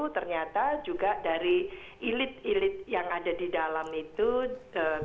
ternyata juga dari elit ilit yang ada di dalam itu tidak bersepakat